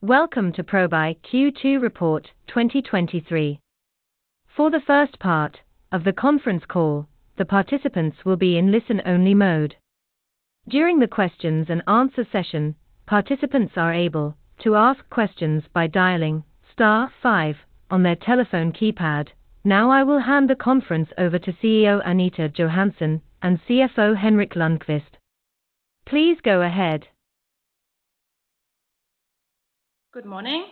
Welcome to Probi Q2 Report 2023. For the first part of the conference call, the participants will be in listen-only mode. During the questions and answer session, participants are able to ask questions by dialing star five on their telephone keypad. Now, I will hand the conference over to CEO Anita Johansen and CFO Henrik Lundkvist. Please go ahead. Good morning,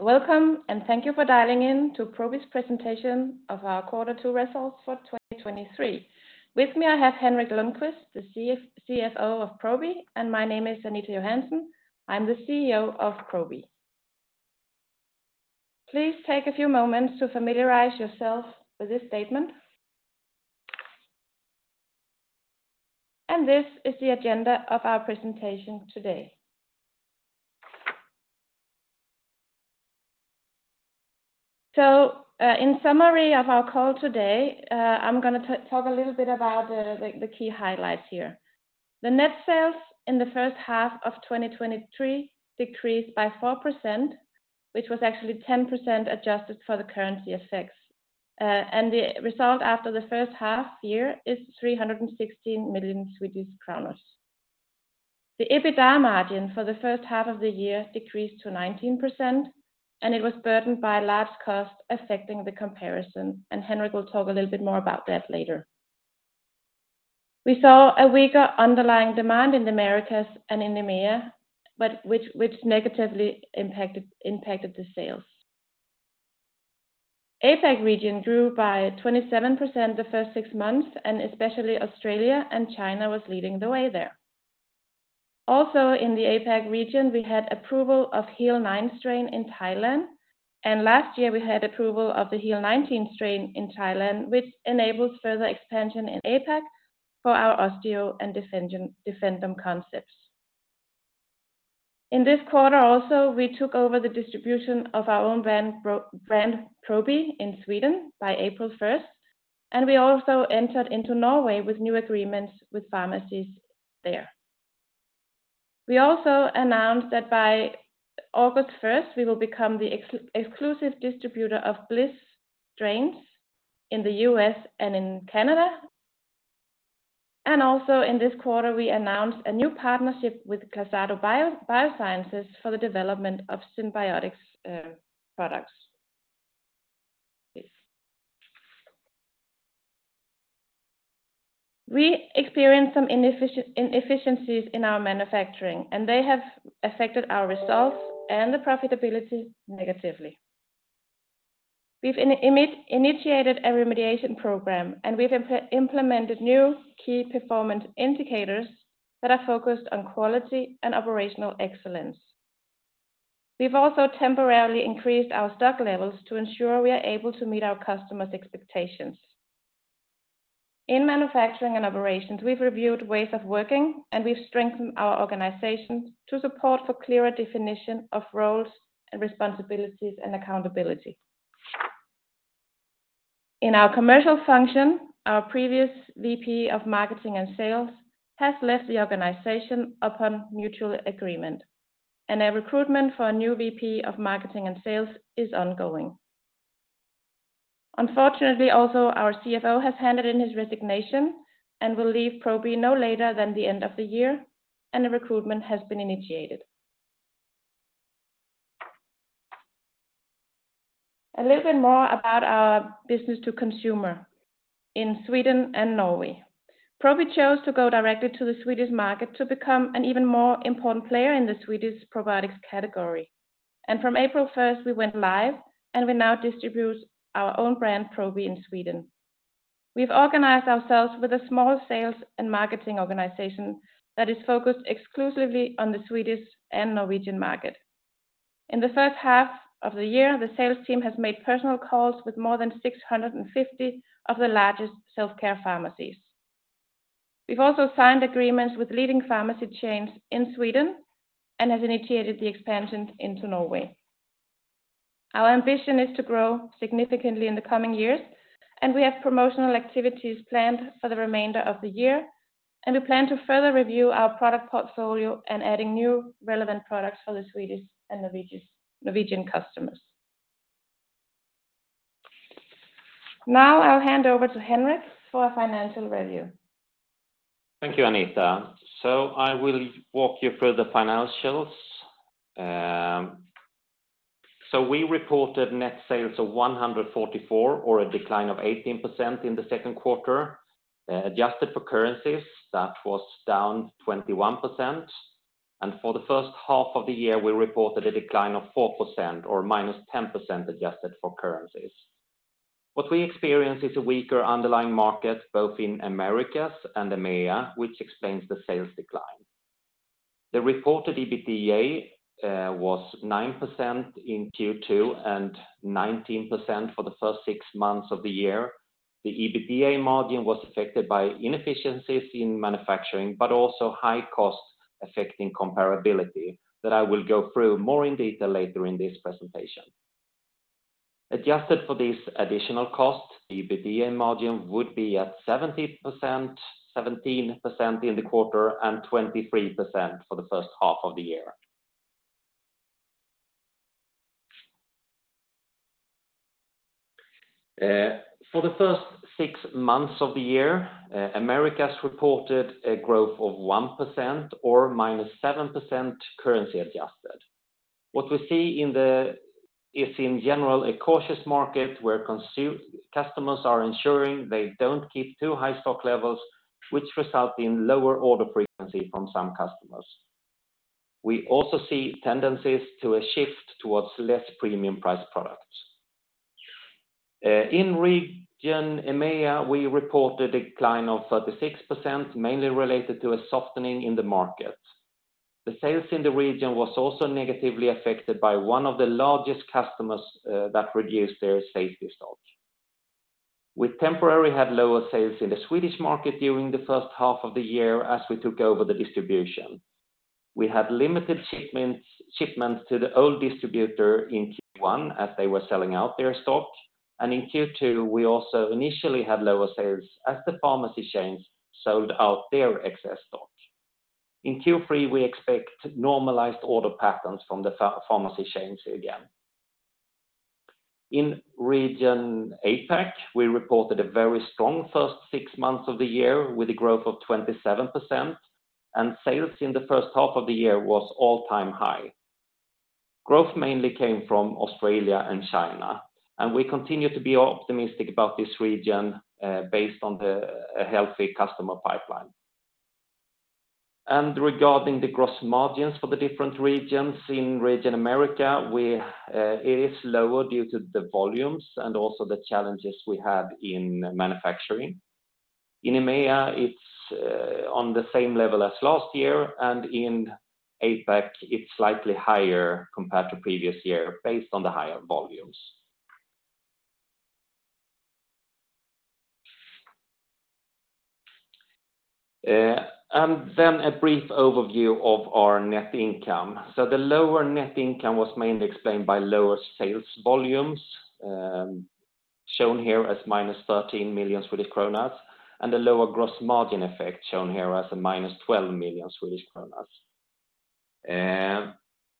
welcome, and thank you for dialing in to Probi's presentation of our Quarter Two results for 2023. With me, I have Henrik Lundkvist, the CFO of Probi, my name is Anita Johansen. I'm the CEO of Probi. Please take a few moments to familiarize yourself with this statement. This is the agenda of our presentation today. In summary of our call today, I'm gonna talk a little bit about the key highlights here. The net sales in the first half of 2023 decreased by 4%, which was actually 10% adjusted for the currency effects. The result after the first half year is 316 million Swedish kronor. The EBITDA margin for the first half of the year decreased to 19%. It was burdened by a large cost affecting the comparison. Henrik will talk a little bit more about that later. We saw a weaker underlying demand in the Americas and in EMEA, which negatively impacted the sales. APAC region grew by 27% the first 6 months. Especially Australia and China was leading the way there. Also, in the APAC region, we had approval of HEAL9 strain in Thailand. Last year we had approval of the HEAL9 strain in Thailand, which enables further expansion in APAC for our Osteo and Defendum concepts. In this quarter also, we took over the distribution of our own brand, Probi in Sweden by April 1st. We also entered into Norway with new agreements with pharmacies there. We also announced that by August 1st, we will become the exclusive distributor of BLIS strains in the U.S. and in Canada. Also in this quarter, we announced a new partnership with Clasado Biosciences for the development of synbiotics products. We experienced some inefficiencies in our manufacturing, and they have affected our results and the profitability negatively. We've initiated a remediation program, and we've implemented new key performance indicators that are focused on quality and operational excellence. We've also temporarily increased our stock levels to ensure we are able to meet our customers' expectations. In manufacturing and operations, we've reviewed ways of working, and we've strengthened our organization to support for clearer definition of roles and responsibilities and accountability. In our commercial function, our previous VP of Marketing and Sales has left the organization upon mutual agreement. A recruitment for a new VP of Marketing and Sales is ongoing. Unfortunately, also, our CFO has handed in his resignation and will leave Probi no later than the end of the year. A recruitment has been initiated. A little bit more about our business to consumer in Sweden and Norway. Probi chose to go directly to the Swedish market to become an even more important player in the Swedish probiotics category. From April 1st, we went live, and we now distribute our own brand, Probi, in Sweden. We've organized ourselves with a small sales and marketing organization that is focused exclusively on the Swedish and Norwegian market. In the first half of the year, the sales team has made personal calls with more than 650 of the largest self-care pharmacies. We've also signed agreements with leading pharmacy chains in Sweden and have initiated the expansion into Norway. Our ambition is to grow significantly in the coming years, and we have promotional activities planned for the remainder of the year, and we plan to further review our product portfolio and adding new relevant products for the Swedish and Norwegian customers. Now, I'll hand over to Henrik for a financial review. Thank you, Anita. I will walk you through the financials. We reported net sales of 144 or a decline of 18% in the second quarter. Adjusted for currencies, that was down 21%. For the first half of the year, we reported a decline of 4% or -10% adjusted for currencies. What we experience is a weaker underlying market, both in Americas and EMEA, which explains the sales decline. The reported EBITDA was 9% in Q2 and 19% for the first six months of the year. The EBITDA margin was affected by inefficiencies in manufacturing, but also high costs affecting comparability, that I will go through more in detail later in this presentation. Adjusted for this additional cost, the EBITDA margin would be at 70%, 17% in the quarter, and 23% for the first half of the year. For the first six months of the year, Americas reported a growth of 1% or -7% currency adjusted. What we see in the, is in general, a cautious market where customers are ensuring they don't keep too high stock levels, which result in lower order frequency from some customers. We also see tendencies to a shift towards less premium price products. In region EMEA, we reported a decline of 36%, mainly related to a softening in the market. The sales in the region was also negatively affected by one of the largest customers, that reduced their safety stock. We temporarily had lower sales in the Swedish market during the first half of the year as we took over the distribution. We had limited shipments to the old distributor in Q1 as they were selling out their stock, and in Q2, we also initially had lower sales as the pharmacy chains sold out their excess stock. In Q3, we expect normalized order patterns from the pharmacy chains again. In region APAC, we reported a very strong first six months of the year with a growth of 27%, and sales in the first half of the year was all-time high. Growth mainly came from Australia and China, and we continue to be optimistic about this region, based on a healthy customer pipeline. Regarding the gross margins for the different regions, in region America, it is lower due to the volumes and also the challenges we had in manufacturing. In EMEA, it's on the same level as last year, and in APAC, it's slightly higher compared to previous year based on the higher volumes. A brief overview of our net income. The lower net income was mainly explained by lower sales volumes, shown here as -13 million Swedish kronor, and the lower gross margin effect, shown here as a -12 million Swedish kronor.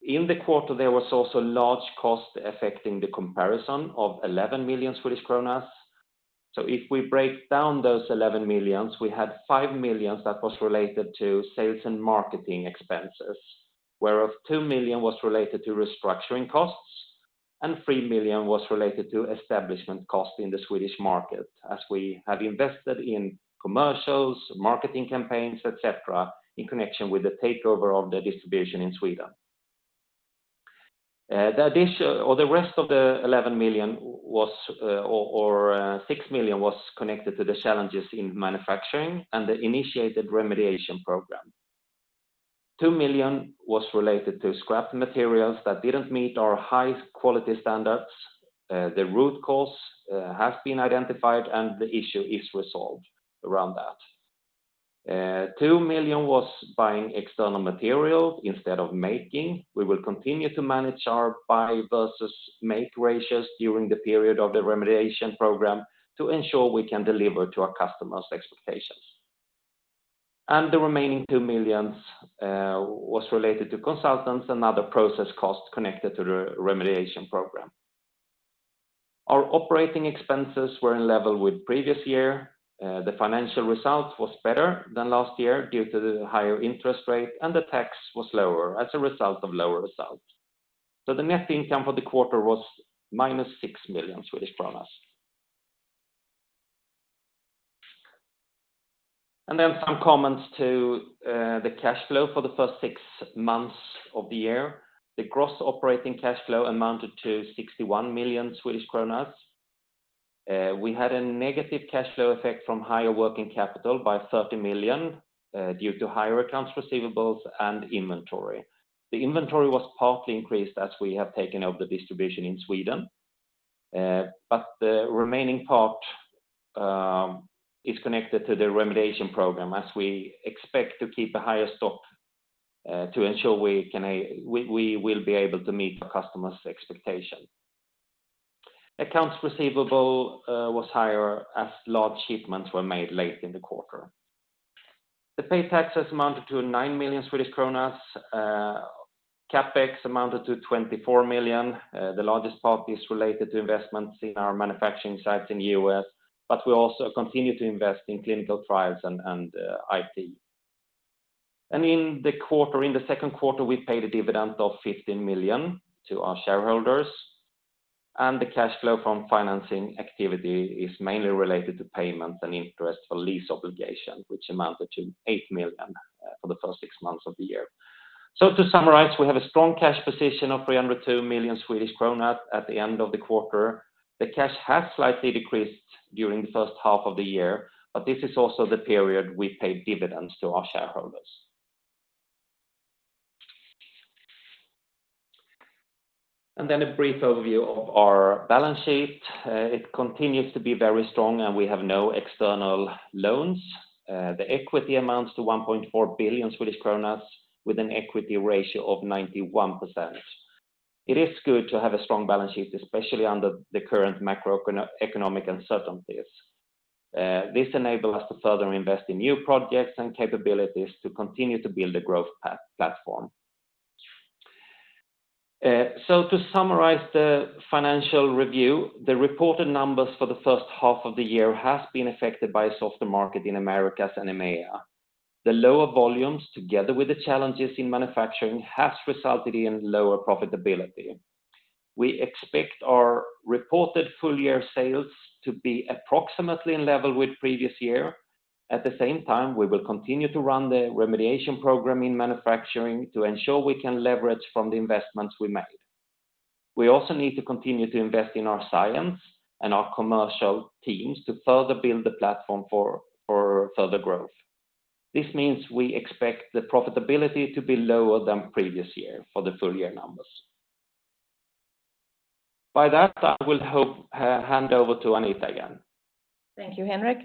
In the quarter, there was also large cost affecting the comparison of 11 million Swedish kronor. If we break down those 11 million, we had 5 million that was related to sales and marketing expenses, whereof 2 million was related to restructuring costs, and 3 million was related to establishment costs in the Swedish market, as we have invested in commercials, marketing campaigns, et cetera, in connection with the takeover of the distribution in Sweden. The addition or the rest of the 11 million was 6 million connected to the challenges in manufacturing and the initiated remediation program. 2 million was related to scrap materials that didn't meet our high quality standards. The root cause has been identified and the issue is resolved around that. 2 million was buying external material instead of making. We will continue to manage our buy versus make ratios during the period of the remediation program to ensure we can deliver to our customers' expectations. The remaining 2 million was related to consultants and other process costs connected to the remediation program. Our operating expenses were in level with previous year. The financial result was better than last year due to the higher interest rate. The tax was lower as a result of lower results. The net income for the quarter was -6 million Swedish kronor. Some comments to the cash flow for the first six months of the year. The gross operating cash flow amounted to 61 million Swedish kronor. We had a negative cash flow effect from higher working capital by 30 million due to higher accounts receivables and inventory. The inventory was partly increased as we have taken over the distribution in Sweden, but the remaining part is connected to the remediation program, as we expect to keep a higher stock to ensure we can we will be able to meet the customer's expectation. Accounts receivable was higher as large shipments were made late in the quarter. The paid taxes amounted to 9 million Swedish kronor, CapEx amounted to 24 million. The largest part is related to investments in our manufacturing sites in the U.S., but we also continue to invest in clinical trials and IT. In the quarter, in the second quarter, we paid a dividend of 15 million to our shareholders. The cash flow from financing activity is mainly related to payments and interest for lease obligation, which amounted to 8 million for the first six months of the year. To summarize, we have a strong cash position of 302 million Swedish kronor at the end of the quarter. The cash has slightly decreased during the first half of the year. This is also the period we paid dividends to our shareholders. A brief overview of our balance sheet. It continues to be very strong and we have no external loans. The equity amounts to 1.4 billion Swedish kronor with an equity ratio of 91%. It is good to have a strong balance sheet, especially under the current macroeconomic uncertainties. This enable us to further invest in new projects and capabilities to continue to build a growth platform. To summarize the financial review, the reported numbers for the first half of the year has been affected by a softer market in Americas and EMEA. The lower volumes, together with the challenges in manufacturing, has resulted in lower profitability. We expect our reported full year sales to be approximately in level with previous year. At the same time, we will continue to run the remediation program in manufacturing to ensure we can leverage from the investments we made. We also need to continue to invest in our science and our commercial teams to further build the platform for further growth. This means we expect the profitability to be lower than previous year for the full year numbers. By that, I will hope, hand over to Anita again. Thank you, Henrik.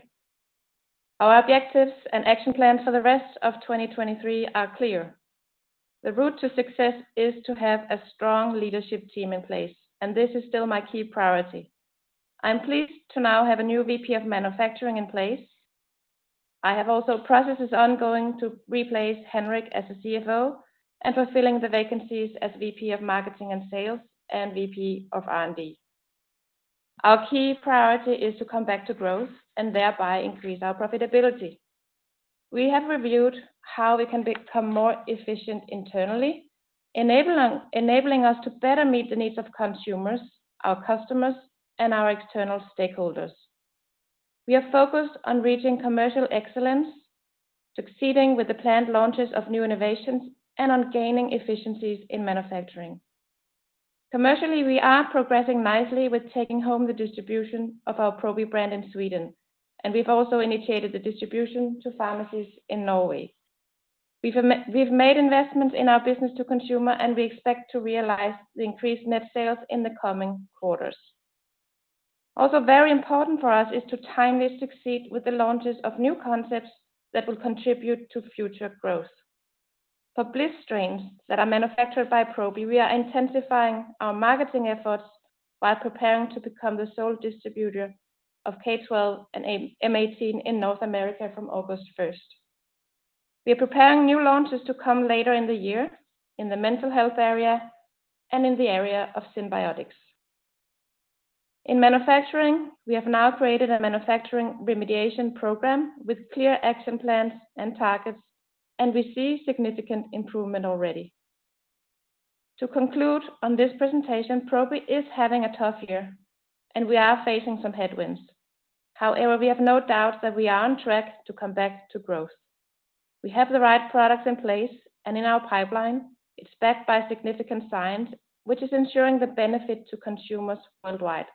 Our objectives and action plans for the rest of 2023 are clear. The route to success is to have a strong leadership team in place, and this is still my key priority. I'm pleased to now have a new VP of Manufacturing in place. I have also processes ongoing to replace Henrik as a CFO and fulfilling the vacancies as VP of Marketing and Sales and VP of R&D. Our key priority is to come back to growth and thereby increase our profitability. We have reviewed how we can become more efficient internally, enabling us to better meet the needs of consumers, our customers, and our external stakeholders. We are focused on reaching commercial excellence, succeeding with the planned launches of new innovations, and on gaining efficiencies in manufacturing. Commercially, we are progressing nicely with taking home the distribution of our Probi brand in Sweden, and we've also initiated the distribution to pharmacies in Norway. We've made investments in our business to consumer, and we expect to realize the increased net sales in the coming quarters. Also, very important for us is to timely succeed with the launches of new concepts that will contribute to future growth. For BLIS strains that are manufactured by Probi, we are intensifying our marketing efforts while preparing to become the sole distributor of K12 and M18 in North America from August 1st. We are preparing new launches to come later in the year in the mental health area and in the area of synbiotics. In manufacturing, we have now created a manufacturing remediation program with clear action plans and targets, and we see significant improvement already. To conclude on this presentation, Probi is having a tough year, and we are facing some headwinds. However, we have no doubt that we are on track to come back to growth. We have the right products in place and in our pipeline. It's backed by significant science, which is ensuring the benefit to consumers worldwide.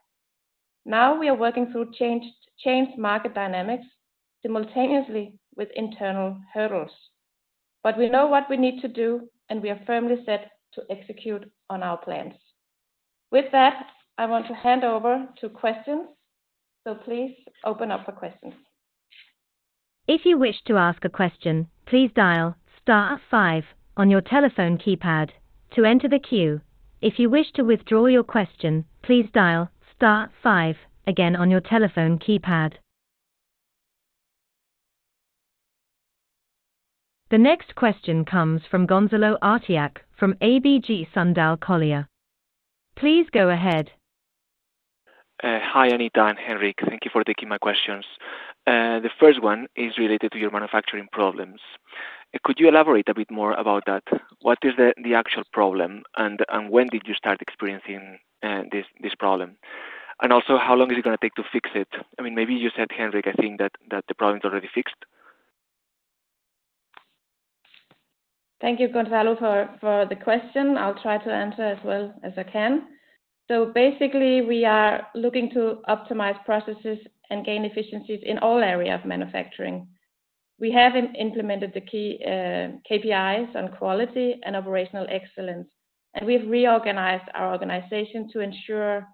Now, we are working through changed market dynamics simultaneously with internal hurdles. We know what we need to do, and we are firmly set to execute on our plans. With that, I want to hand over to questions. Please open up for questions. If you wish to ask a question, please dial star five on your telephone keypad to enter the queue. If you wish to withdraw your question, please dial star five again on your telephone keypad. The next question comes from Gonzalo Artiach from ABG Sundal Collier. Please go ahead. Hi, Anita and Henrik. Thank you for taking my questions. The first one is related to your manufacturing problems. Could you elaborate a bit more about that? What is the actual problem, and when did you start experiencing this problem? Also, how long is it going to take to fix it? I mean, maybe you said, Henrik, I think that the problem is already fixed. Thank you, Gonzalo, for the question. I'll try to answer as well as I can. Basically, we are looking to optimize processes and gain efficiencies in all areas of manufacturing. We have implemented the key KPIs on quality and operational excellence, and we've reorganized our organization to ensure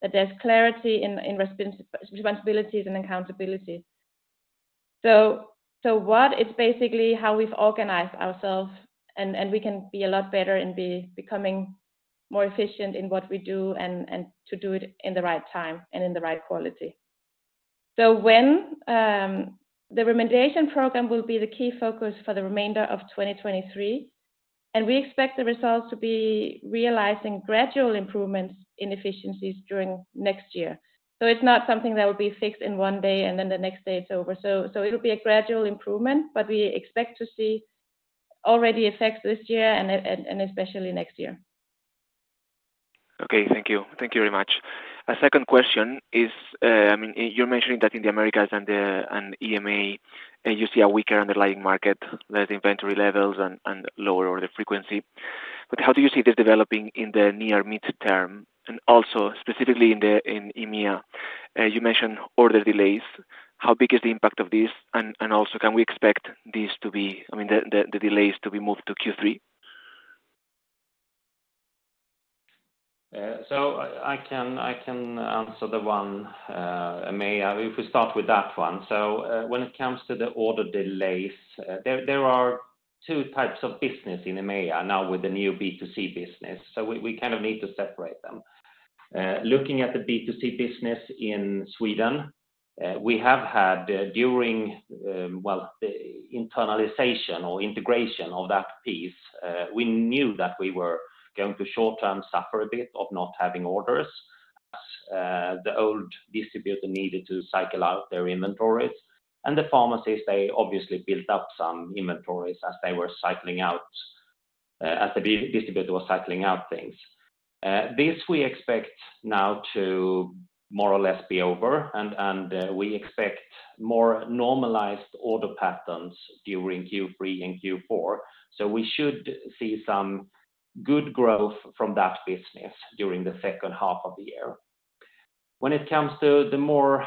that there's clarity in responsibilities and accountability. What is basically how we've organized ourselves and we can be a lot better in becoming more efficient in what we do and to do it in the right time and in the right quality. When the remediation program will be the key focus for the remainder of 2023, and we expect the results to be realizing gradual improvements in efficiencies during next year. It's not something that will be fixed in one day, and then the next day it's over. It will be a gradual improvement, but we expect to see already effects this year and especially next year. Okay, thank you. Thank you very much. A second question is, I mean, you're mentioning that in the Americas and EMEA, you see a weaker underlying market, lower inventory levels and lower order frequency. How do you see this developing in the near mid-term and also specifically in EMEA? You mentioned order delays. How big is the impact of this? Also, can we expect the delays to be moved to Q3? I can answer the one, EMEA, if we start with that one. When it comes to the order delays, there are two types of business in EMEA now with the new B2C business, we kind of need to separate them. Looking at the B2C business in Sweden, we have had, during, well, the internalization or integration of that piece, we knew that we were going to short-term suffer a bit of not having orders as the old distributor needed to cycle out their inventories. The pharmacies, they obviously built up some inventories as they were cycling out, as the distributor was cycling out things. We expect now to more or less be over, and we expect more normalized order patterns during Q3 and Q4. We should see some good growth from that business during the second half of the year. When it comes to the more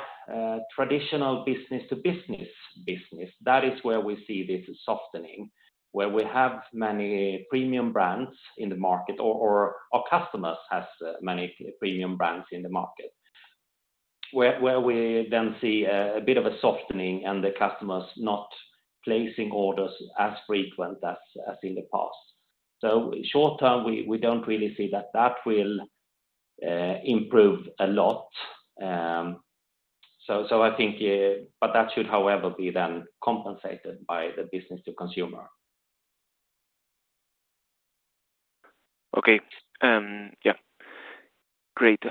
traditional business to business business, that is where we see this softening, where we have many premium brands in the market, or our customers has many premium brands in the market. Where we then see a bit of a softening and the customers not placing orders as frequent as in the past. Short term, we don't really see that that will improve a lot. So, I think that should, however, be then compensated by the business-to-consumer. Okay, yeah. Great.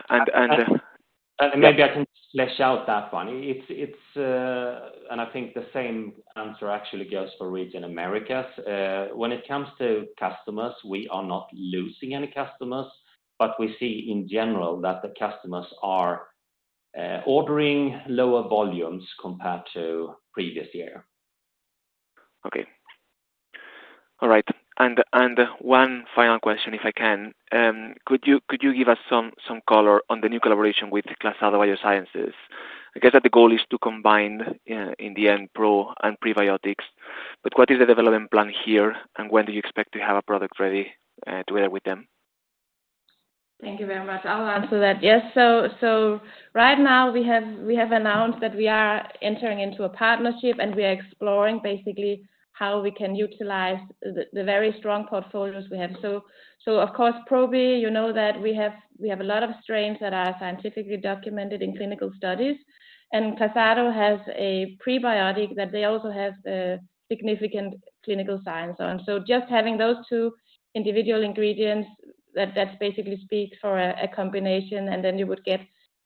Maybe I can flesh out that one. It's... I think the same answer actually goes for Region Americas. When it comes to customers, we are not losing any customers, but we see in general that the customers are ordering lower volumes compared to previous year. Okay. All right. One final question, if I can. Could you give us some color on the new collaboration with Clasado Biosciences? I guess that the goal is to combine, in the end, pro and prebiotics, but what is the development plan here, and when do you expect to have a product ready to wear with them? Thank you very much. I'll answer that. Yes, right now we have announced that we are entering into a partnership, and we are exploring basically how we can utilize the very strong portfolios we have. Of course, Probi, you know that we have a lot of strains that are scientifically documented in clinical studies, and Clasado has a prebiotic that they also have significant clinical science on. Just having those two individual ingredients, that basically speaks for a combination, and then you would get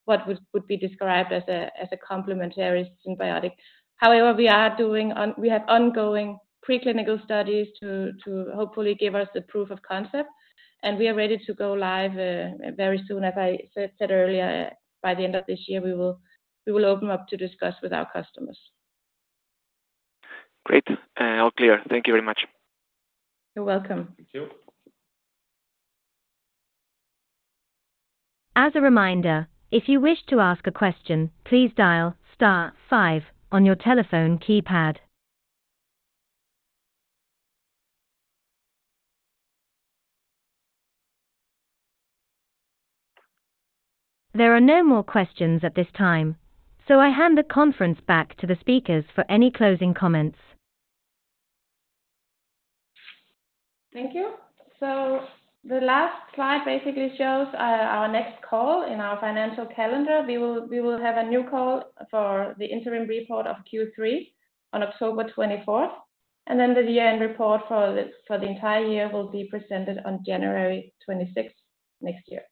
what would be described as a complementary synbiotic. However, we have ongoing preclinical studies to hopefully give us the proof of concept, and we are ready to go live very soon. As I said earlier, by the end of this year, we will open up to discuss with our customers. Great, all clear. Thank you very much. You're welcome. Thank you. As a reminder, if you wish to ask a question, please dial star five on your telephone keypad. There are no more questions at this time, I hand the conference back to the speakers for any closing comments. Thank you. The last slide basically shows our next call in our financial calendar. We will have a new call for the interim report of Q3 on October 24th, the year-end report for the entire year will be presented on January 26th next year.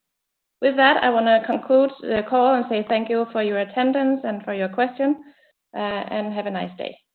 With that, I want to conclude the call and say thank you for your attendance and for your questions, have a nice day. Thank you.